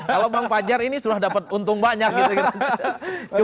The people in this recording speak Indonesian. kalau bang fajar ini sudah dapat untung banyak gitu